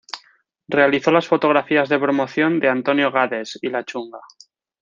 Realizó las fotografías de promoción de Antonio Gades y La Chunga.